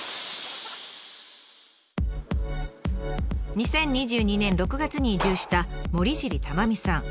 ２０２２年６月に移住した森尻珠美さん。